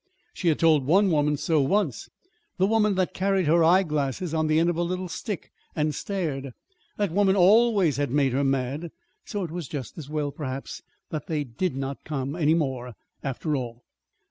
She had told one woman so, once the woman that carried her eyeglasses on the end of a little stick and stared. That woman always had made her mad. So it was just as well, perhaps, that they did not come any more, after all.